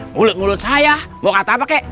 mulut mulut saya mau kata apa kek